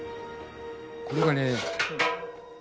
これがね